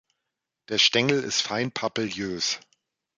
Der Stängel ist fein papillös.